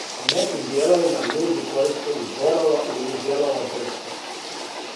У неким дијеловима, људи користе и борово или јелово дрвце.